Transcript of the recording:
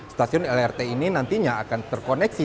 stasiun lrt ini nantinya akan terkoneksi